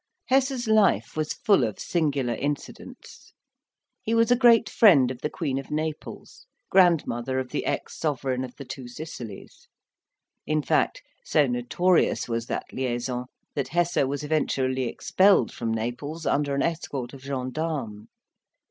Hesse's life was full of singular incidents. He was a great friend of the Queen of Naples, grandmother of the ex Sovereign of the Two Sicilies; in fact, so notorious was that liaison, that Hesse was eventually expelled from Naples under an escort of gendarmes.